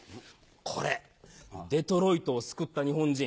これ『デトロイトを救った日本人』。